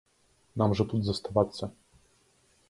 Нам жа тут заставацца.